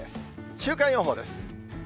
週間予報です。